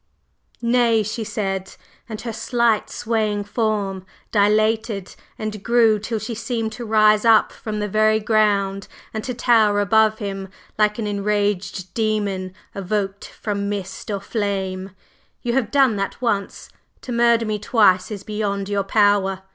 "Nay!" she said, and her slight swaying form dilated and grew till she seemed to rise up from the very ground and to tower above him like an enraged demon evoked from mist or flame. "You have done that once! To murder me twice is beyond your power!"